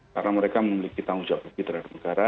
karena mereka memiliki tanggung jawab lebih terhadap negara